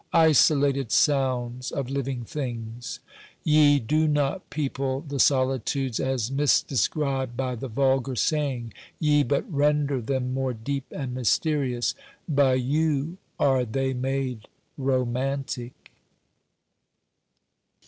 Isolated sounds of living things ! Ye do not people the solitudes as misdescribed by the vulgar say ing ; ye but render them more deep and mysterious ; by you are they made romantic